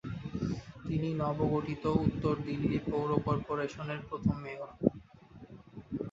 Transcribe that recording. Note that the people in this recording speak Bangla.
তিনি নবগঠিত উত্তর দিল্লি পৌর কর্পোরেশনের প্রথম মেয়র।